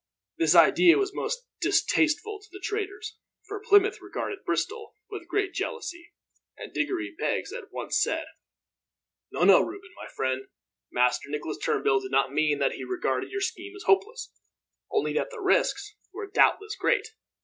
This idea was most distasteful to the traders, for Plymouth regarded Bristol with great jealousy; and Diggory Beggs at once said: "No, no, Reuben. My friend Master Nicholas Turnbull did not mean that he regarded your scheme as hopeless, only that the risks were doubtless great.